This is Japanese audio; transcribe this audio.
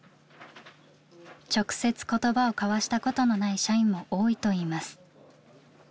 直接言葉を交わしたことのない社員も多いといいます。